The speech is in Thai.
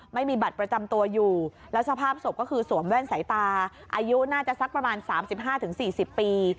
ไม่มีบัตรประจำตัวอยู่แล้วสภาพศพก็คือสวมแว่นสายตาอายุน่าจะสักประมาณ๓๕๔๐ปี